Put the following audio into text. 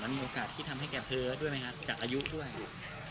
มีโอกาสที่ทำให้แกเพ้อด้วยไหมครับจากอายุด้วย